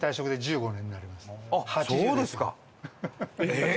えっ！